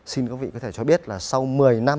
xin các vị có thể cho biết là sau một mươi năm